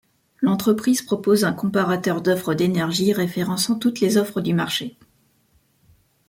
L'entreprise propose un comparateur d'offres d'énergie référençant toutes les offres du marché.